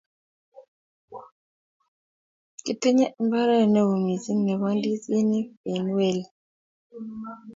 kitinye mbaret neoo misiing nebo ndizinik eng' weli